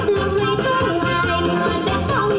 ก็เคยจะเสียใจ